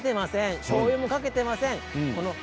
おしょうゆもかけていません。